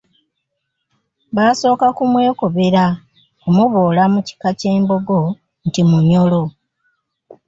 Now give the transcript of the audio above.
Baasooka kumwekobera kumuboola mu kika ky'Embogo nti Munyoro.